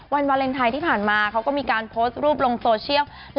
วาเลนไทยที่ผ่านมาเขาก็มีการโพสต์รูปลงโซเชียล